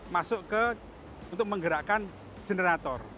masuk ke untuk menggerakkan generator